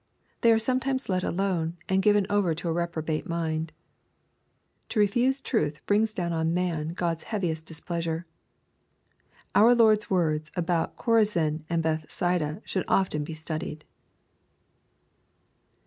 They are some times let alone, and given over to a reprobate mind. To refuse • tmth brings down on man God's heaviest displeasure. Our Lord's words about Chorazin and Bethsaida should often be studied.